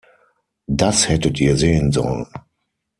Das hättet ihr sehen sollen!